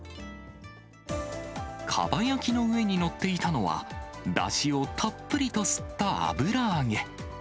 かば焼きの上に載っていたのは、だしをたっぷりと吸った油揚げ。